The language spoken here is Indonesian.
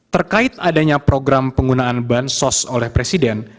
terkait adanya program penggunaan bansos oleh presiden